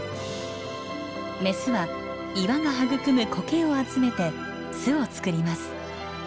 メスは岩が育むコケを集めて巣を作ります。